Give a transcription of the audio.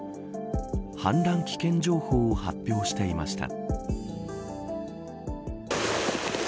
氾濫危険情報を発表していました。